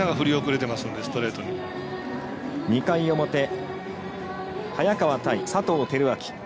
２回表、早川対佐藤輝明。